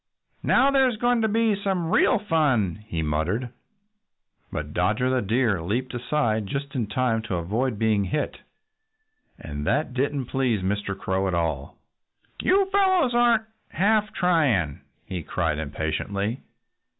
"Now there's going to be some real fun," he muttered. But Dodger the Deer leaped aside just in time to avoid being hit. And that didn't please Mr. Crow at all. "You fellows aren't half trying," he cried impatiently.